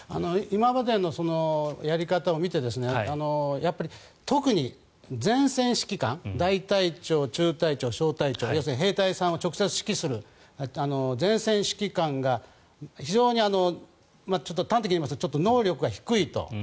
今までのやり方を見てやっぱり特に前線指揮官大隊長、中隊長、小隊長要するに兵隊さんを直接指揮する前線指揮官が非常にちょっと端的に言いますと能力が低いと。